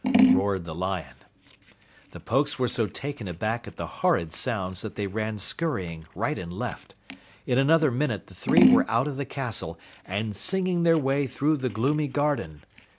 roared the lion. The Pokes were so taken aback at the horrid sounds that they ran scurrying right and left. In another minute the three were out of the castle and singing their way through the gloomy garden.